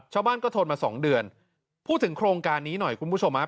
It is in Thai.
ชาวบ้านก็ทนมาสองเดือนพูดถึงโครงการนี้หน่อยคุณผู้ชมครับ